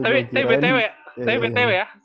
tapi tapi btw ya